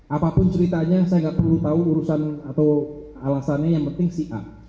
apapun ceritanya saya nggak perlu tahu urusan atau alasannya yang penting si a